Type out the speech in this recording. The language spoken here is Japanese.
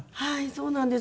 そうなんです。